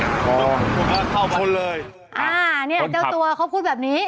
แล้วเขามาตัดอ๋อเข้าไปคนเลยอ่าเนี่ยเดี๋ยวตัวเขาพูดแบบนี้